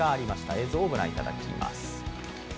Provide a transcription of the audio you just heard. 映像をご覧いただきます。